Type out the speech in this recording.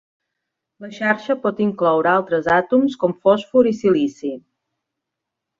La xarxa pot incloure altres àtoms com fòsfor i silici.